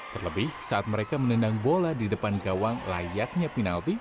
terlebih saat mereka menendang bola di depan gawang layaknya penalti